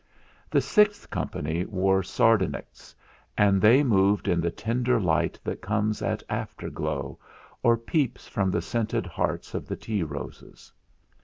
The sixth company wore sardonyx, and they moved in the tender light that comes at afterglow, or peeps from the scented hearts of the tea roses.